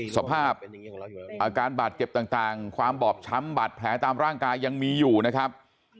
สภาพอาการบาดเจ็บต่างความบอบช้ำบาดแผลตามร่างกายยังมีอยู่นะครับ